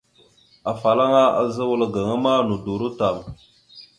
Afalaŋa azza wal gaŋa ma nodoró tam.